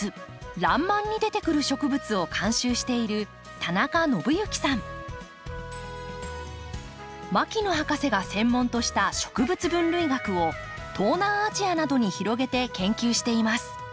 「らんまん」に出てくる植物を監修している牧野博士が専門とした植物分類学を東南アジアなどに広げて研究しています。